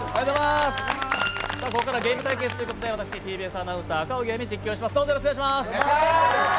ここからはゲーム対決ということで私、ＴＢＳアナウンサー・赤荻歩実況いたします。